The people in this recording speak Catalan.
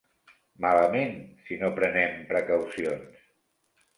Malament si no prenem precaucions.